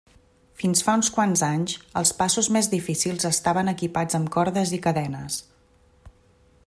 Fins fa uns quants anys, els passos més difícils estaven equipats amb cordes i cadenes.